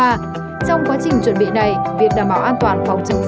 trong quá trình chuẩn bị này việc đảm bảo an toàn phòng chống cháy